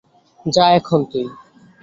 যা এখন তুই।